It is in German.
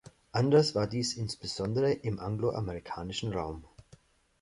Anders war dies insbesondere im anglo-amerikanischen Raum.